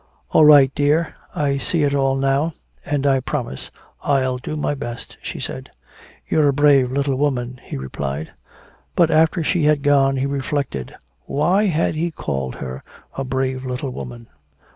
"All right, dear I see it all now and I promise I'll try my best," she said. "You're a brave little woman," he replied. But after she had gone, he reflected. Why had he called her a brave little woman?